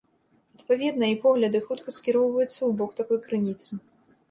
Адпаведна, і погляды хутка скіроўваюцца ў бок такой крыніцы.